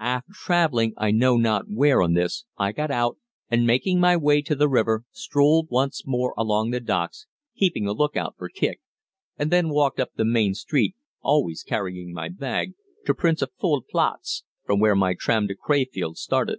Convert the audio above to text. After traveling I know not where on this, I got out, and making my way to the river, strolled once more along the docks, keeping a lookout for Kicq, and then walked up the main street (always carrying my bag) to Prince Afold Platz, from where my tram to Crefeld started.